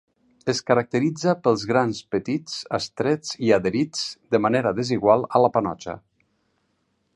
Es caracteritza pels grans petits, estrets i adherits de manera desigual a la panotxa.